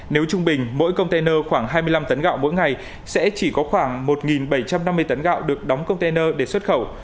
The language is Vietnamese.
nếu trung bình mỗi container khoảng hai mươi năm tấn gạo mỗi ngày sẽ chỉ có khoảng một bảy trăm năm mươi tấn gạo được đóng container để xuất khẩu